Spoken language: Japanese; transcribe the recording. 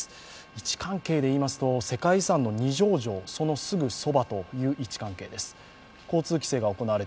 位置関係でいいますと、世界遺産の二条城、そのすぐそばです。